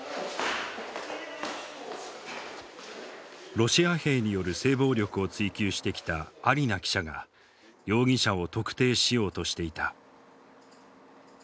ロシア兵による性暴力を追及してきたアリナ記者が容疑者を特定しようとしていた。